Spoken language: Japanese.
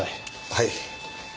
はい。